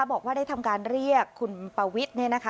บอกว่าได้ทำการเรียกคุณปวิทย์เนี่ยนะคะ